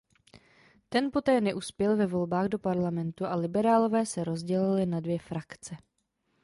Ten poté neuspěl ve volbách do parlamentu a liberálové se rozdělili na dvě frakce.